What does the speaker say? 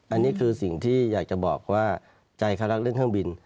อันนี้คือสิ่งที่อยากจะบอกว่าใจเขารักเรื่องเครื่องบิน